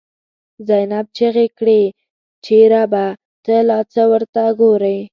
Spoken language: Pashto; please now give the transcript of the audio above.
زینب ” چیغی کړی چی ربه، ته لا څه ته ورته ګوری”